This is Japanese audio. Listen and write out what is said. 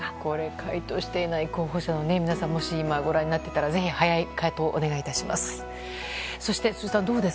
回答していない候補者の皆さんもし、今ご覧になっていたらぜひ早い回答お願いいたします。